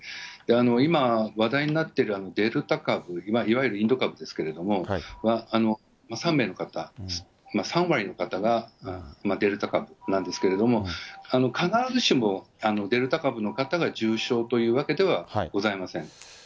今、話題になっているデルタ株、いわゆるインド株ですけれども、３名の方、３割の方がデルタ株なんですけれども、必ずしもデルタ株の方が重症というわけではございません。